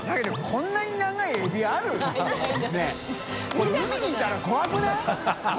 これ海にいたら怖くない？